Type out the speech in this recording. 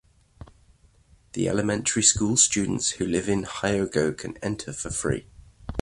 The elementary school students who live in Hyogo can enter for free.